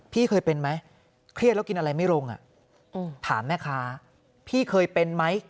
พี่เคยเป็นไหมเครียดแล้วกินอะไรไม่ลงอ่ะถามแม่ค้าพี่เคยเป็นไหม